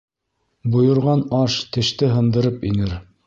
Бойорған аш теште һындырып инер.